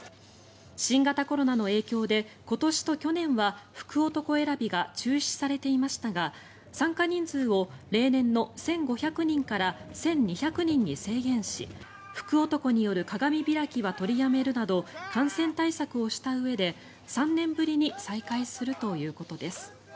新型コロナの影響で今年と去年は福男選びが中止されていましたが参加人数を例年の１５００人から１２００人に制限し福男による鏡開きは取りやめるなど感染対策をしたうえで３年ぶりに再開するということです。